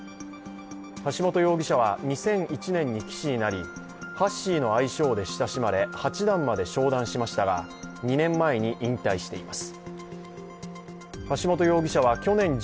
橋本容疑者は２００１年に棋士になりハッシーの愛称で親しまれ八段まで昇段しましたが２年前に引退しています。